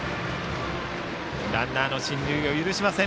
ランナーの進塁を許しません。